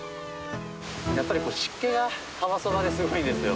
やっぱり湿気が、川そばですごいんですよ。